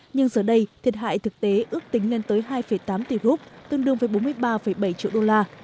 nhưng giờ đây thiệt hại thực tế ước tính lên tới hai tám tỷ rup tương đương với bốn mươi ba bảy triệu đô la